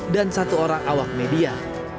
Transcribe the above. dan satu orang awak media